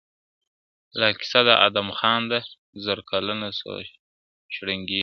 لا کیسه د ادم خان ده زر کلونه سوه شرنګیږي ..